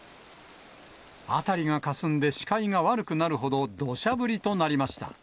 辺りがかすんで、視界が悪くなるほどどしゃ降りとなりました。